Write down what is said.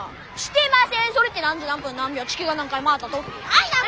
それって何時何分何秒地球が何回回った時？